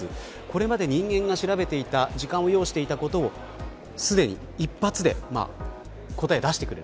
これまで時間を要していたことをすでに一発で答えを出してくれる。